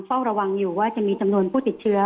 เฝ้าระวังอยู่ว่าจะมีจำนวนผู้ติดเชื้อ